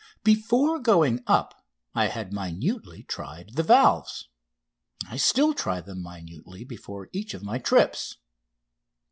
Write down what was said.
Before going up I had minutely tried the valves. I still try them minutely before each of my trips.